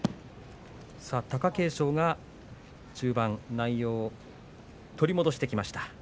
さあ貴景勝が中盤内容を取り戻してきました。